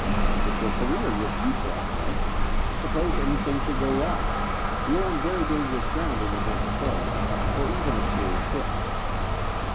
But your career, your future?" I said. "Sup pose anything should be wrong? We are on very dangerous ground in event of failure, or even a serious hitch."